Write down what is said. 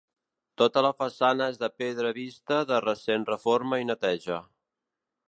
Tota la façana és de pedra vista de recent reforma i neteja.